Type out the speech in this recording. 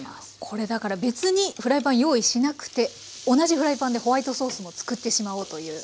これだから別にフライパン用意しなくて同じフライパンでホワイトソースも作ってしまおうという。